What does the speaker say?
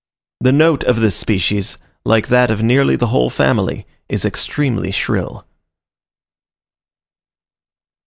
The note of this species, like that of nearly the whole family, is extremely shrill.